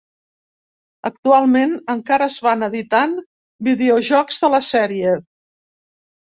Actualment, encara es van editant videojocs de la sèrie.